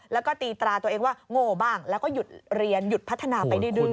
แล้วก็ตีตราตัวเองว่าโง่บ้างแล้วก็หยุดเรียนหยุดพัฒนาไปเรื่อย